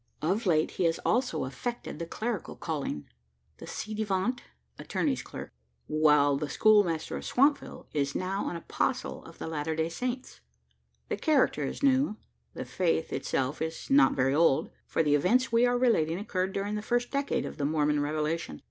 Of late he has also affected the clerical calling. The ci devant attorney's clerk whilom the schoolmaster of Swampville is now an "apostle" of the "Latter day Saints." The character is new the faith itself is not very old for the events we are relating occurred during the first decade of the Mormon revelation.